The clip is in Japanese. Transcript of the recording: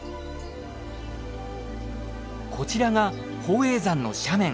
こちらが宝永山の斜面。